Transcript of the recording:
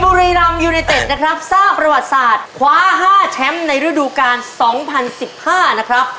บุรีรำยูไนเต็ดนะครับสร้างประวัติศาสตร์คว้า๕แชมป์ในฤดูกาล๒๐๑๕นะครับ